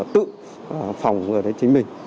tự phòng người đấy chính mình